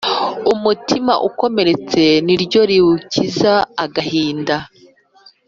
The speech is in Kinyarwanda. umutima ukomeretse niryo riwukiza agahinda